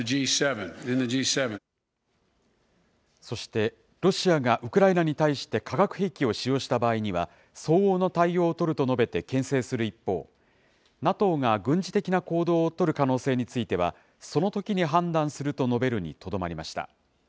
そして、ロシアがウクライナに対して化学兵器を使用した場合には、相応の対応を取ると述べてけん制する一方、ＮＡＴＯが軍事的な行動を取る可能性については、そのときに判断すると述べるにとどまりました。